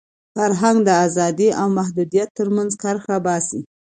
فرهنګ د ازادۍ او محدودیت تر منځ کرښه باسي.